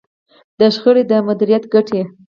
د شخړې د مديريت ګټې.